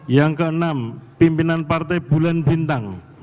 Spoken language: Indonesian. yang keenam pimpinan partai bulan bintang